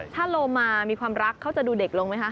ถ้าโลมามีความรักเขาจะดูเด็กลงไหมคะ